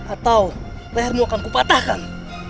atau lehermu akan kupatahkan